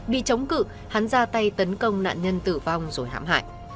bị chống cự hắn ra tay tấn công nạn nhân tử vong rồi hãm hại